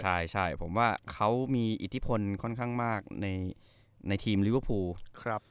ใช่ผมว่าเขามีอิทธิพลค่อนข้างมากในทีมลิเวอร์พูล